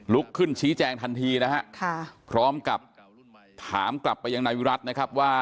ลุกขึ้นชี้แจงทันทีพร้อมกับถามกลับไปอย่างนายวิรัติ